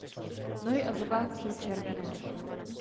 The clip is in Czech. Nohy a zobák jsou červené.